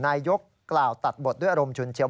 นายกกล่าวตัดบทด้วยอารมณ์ชุนเชียว